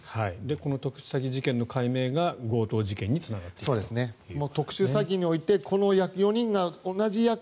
この特殊詐欺事件の解明が強盗事件につながっていくという。